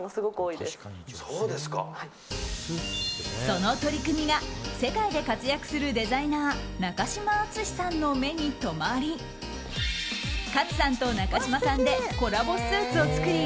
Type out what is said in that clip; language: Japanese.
その取り組みが世界で活躍するデザイナー中島篤さんの目に留まり勝さんと中島さんでコラボスーツを作り